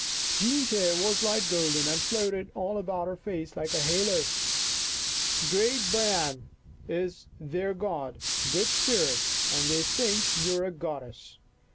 Jean's hair was light golden and floated all about her face like a halo. " Great Baiame is their god, good spirit, and they think you are a goddess.